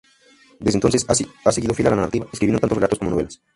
Desde entonces ha seguido fiel a la narrativa, escribiendo tanto relatos como novelas.